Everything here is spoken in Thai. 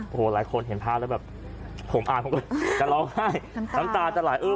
หลายคนเห็นพ่อแล้วผมอานแต่ร้องไห้